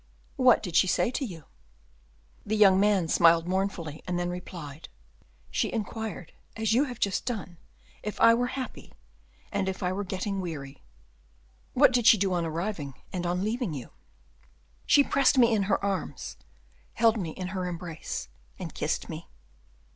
"What did she say to you?" The young man smiled mournfully, and then replied, "She inquired, as you have just done, if I were happy, and if I were getting weary." "What did she do on arriving, and on leaving you?" "She pressed me in her arms, held me in her embrace, and kissed me."